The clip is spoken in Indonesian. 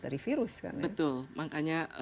dari virus betul makanya